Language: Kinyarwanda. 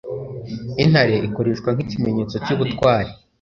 Intare ikoreshwa nkikimenyetso cyubutwari.